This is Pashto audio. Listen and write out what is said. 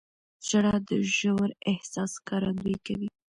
• ژړا د ژور احساس ښکارندویي کوي.